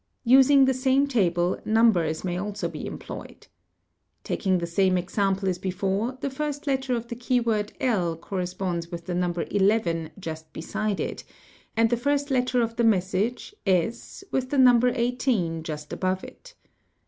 $ Using the same table, numbers may also be employed. Taking the { 76 602 CIPHERS same example as before the first letter of the key word | corresponds with the number 11 just beside it and the first letter of the message, s, with the number 18 just above it.